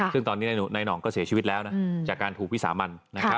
ซึ่งตอนนี้นายห่องก็เสียชีวิตแล้วจากการถูกวิสามัน